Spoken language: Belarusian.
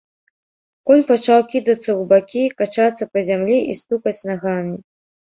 Конь пачаў кідацца ў бакі, качацца па зямлі і стукаць нагамі.